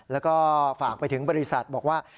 แล้วก็ฝากไปถึงบริษัทบอกว่า